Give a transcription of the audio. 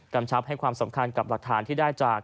ชับให้ความสำคัญกับหลักฐานที่ได้จาก